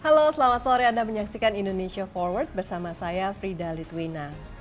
halo selamat sore anda menyaksikan indonesia forward bersama saya frida litwina